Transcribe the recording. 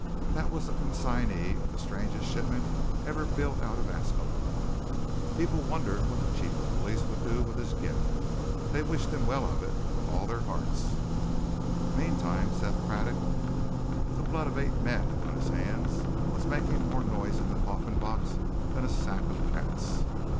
That was the consignee of the strangest shipment ever billed out of Ascalon. People wondered what the chief of police would do with his gift. They wished him well of it, with all their hearts. Meantime Seth Craddock, with the blood of eight men on his hands, was making more noise in the coffin box than a sack of cats.